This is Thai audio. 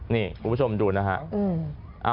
นี่คุณผู้ชมดูนะฮะ